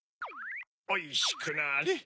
おいしくなれ。